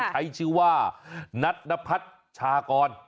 ใช้ชื่อว่านัทนพัฒน์ชากร